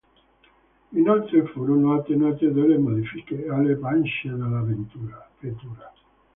Inoltre furono attuate delle modifiche alle pance della vettura.